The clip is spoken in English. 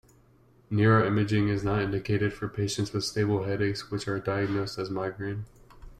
Neuroimaging is not indicated for patients with stable headaches which are diagnosed as migraine.